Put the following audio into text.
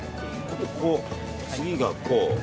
次がこう。